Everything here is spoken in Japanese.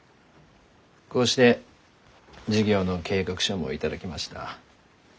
こうして事業の計画書も頂きました。